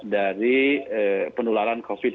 dari penularan covid sembilan belas